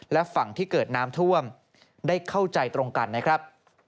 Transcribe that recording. และฝั่งที่เกิดน้ำท่วมได้เข้าใจตรงกันนะครับ